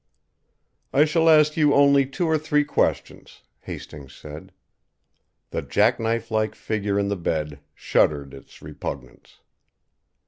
"I shall ask you only two or three questions," Hastings said. The jackknife like figure in the bed shuddered its repugnance.